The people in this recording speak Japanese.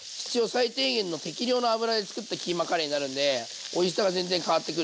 最低限の適量の脂でつくったキーマカレーになるんでおいしさが全然変わってくるんだよね。